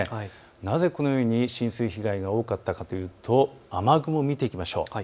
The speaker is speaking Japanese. なぜこのように浸水被害が多かったかといいますと雨雲を見ていきましょう。